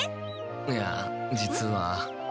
いや実は。